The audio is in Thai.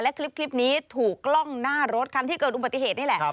และคลิปนี้ถูกกล้องหน้ารถคันที่เกิดอุบัติเหตุนี่แหละ